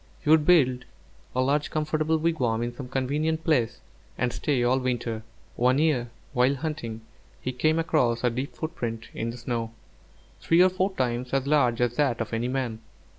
He would build a large comfortable wigwam in some convenient place, and stay all winter. One year, while hunting, he came across a deep footprint in the snow, three or four times as large as that of any man.